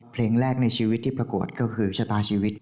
เพลงแรกในชีวิตที่ปรากฏก็คือชะตาชีวิต